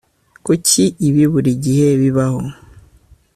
Kuki ibi buri gihe bibaho